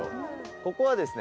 ここはですね